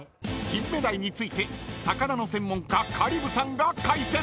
［キンメダイについて魚の専門家香里武さんが解説！］